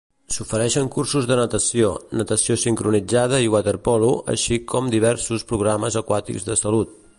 S'ofereixen cursos de natació, natació sincronitzada i waterpolo, així com diversos programes aquàtics de salut.